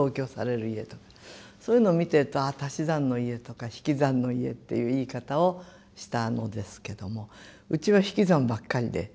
そういうのを見てるとああ足し算の家とか引き算の家っていう言い方をしたのですけどもうちは引き算ばっかりで。